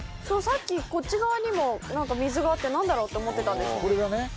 そうさっきこっち側にも何か水があって何だろうと思ってたんです